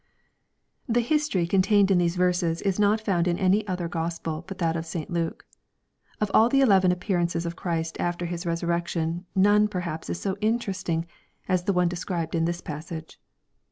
The history contained in these verses is not found in any other Gospel but that of St. Luke. Of all the eleven appearances of .Christ after His resurrection, none per haps is so interesting as the one described in this passage.